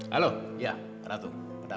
hallo ya kak ratu ada apa